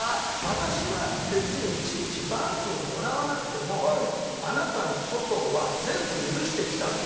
私は別にいちいちバーキンをもらわなくてもあなたの粗相は全部許してきたと。